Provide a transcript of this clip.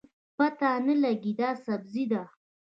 پته نه لګي دا سبزي ده